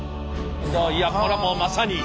いやこらもうまさに。